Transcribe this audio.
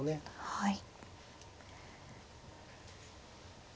はい。